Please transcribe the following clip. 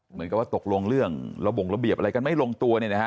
เหมือนกับว่าตกลงเรื่องระบงระเบียบอะไรกันไม่ลงตัวเนี่ยนะฮะ